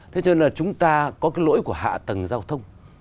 thế cho nên là chúng ta có cái lỗi của hạ tầng giao thông